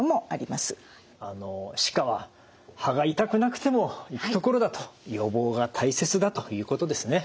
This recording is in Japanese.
歯科は歯が痛くなくても行く所だと予防が大切だということですね。